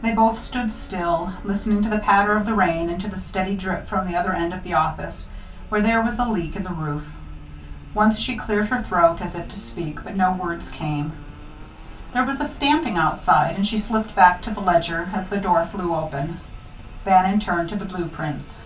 They both stood still, listening to the patter of the rain, and to the steady drip from the other end of the office, where there was a leak in the roof. Once she cleared her throat, as if to speak, but no words came. There was a stamping outside, and she slipped back to the ledger, as the door flew open. Bannon turned to the blue prints.